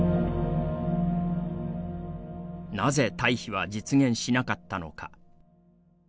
なぜ退避は実現しなかったのか。